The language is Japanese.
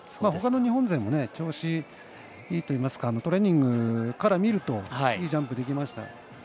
ほかの日本勢も調子いいといいますかトレーニングから見るといいジャンプできてましたよ。